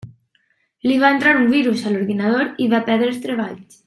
Li va entrar un virus a l'ordinador i va perdre els treballs.